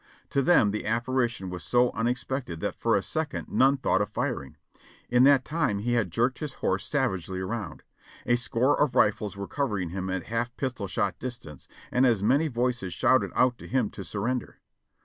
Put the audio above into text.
To them the ap parition was so unexpected that for a second none thought of fir ing. In that time he had jerked his horse savagely around. A score of rifles were covering him at half pistol shot distance, and as many voices shouted out to him to surrender.